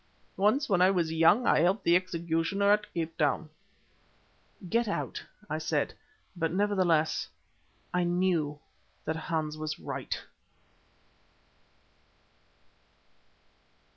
Once, when I was young, I helped the executioner at Cape Town." "Get out," I said, but, nevertheless, I knew that Hans was right.